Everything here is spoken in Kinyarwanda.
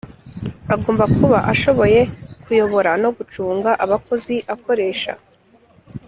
Agomba kuba ashoboye kuyobora no gucunga abakozi akoresha.